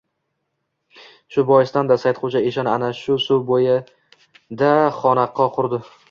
Shu boisdan-da Saidxo‘ja eshon ana shu suv bo‘yida xonaqo qurdi.